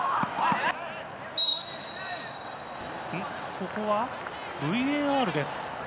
ここはＶＡＲです。